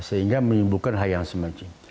sehingga menyembuhkan hal yang semacam